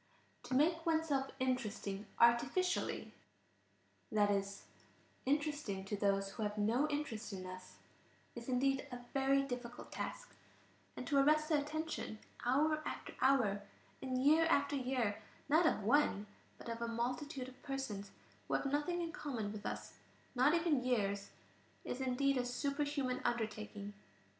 "To make oneself interesting artificially," that is, interesting to those who have no interest in us, is indeed a very difficult task; and to arrest the attention hour after hour, and year after year, not of one, but of a multitude of persons who have nothing in common with us, not even years, is indeed a superhuman undertaking.